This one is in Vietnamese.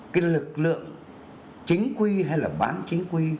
cái lực lượng chính quy hay là bán chính quy